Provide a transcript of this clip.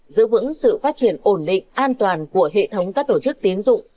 giữ vững sự phát triển ổn định an toàn của hệ thống các tổ chức tiến dụng